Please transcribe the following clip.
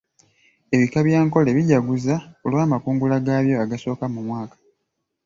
Ebika bya Ankole bijaguza olw'amakungula gaabyo agasooka mu mwaka.